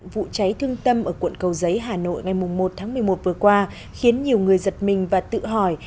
vụ cháy thương tâm ở quận cầu giấy hà nội ngày một tháng một mươi một vừa qua khiến nhiều người giật mình và tự hỏi